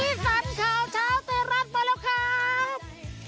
สันข่าวเช้าไทยรัฐมาแล้วครับ